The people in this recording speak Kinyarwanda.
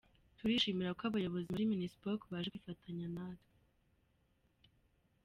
Turishimira ko abayobozi muri Minispoc baje kwifatanya natwe.